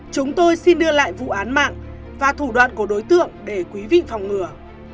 chúng tôi xin đưa lại vụ án mạng và thủ đoạn của đối tượng để quý vị phòng ngừa